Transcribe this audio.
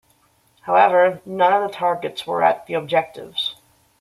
However, none of the targets were at the objectives.